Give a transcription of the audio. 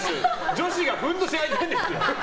女子がふんどしはいてんですよ！